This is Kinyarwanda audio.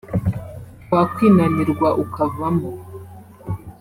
wakwinanirwa ukavamo